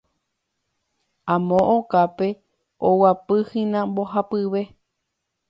Amo okápe oguapýhína mbohapyve.